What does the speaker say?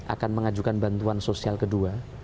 akan mengajukan bantuan sosial kedua